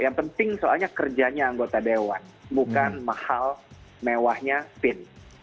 yang penting soalnya kerjanya anggota dewan bukan mahal mewahnya pin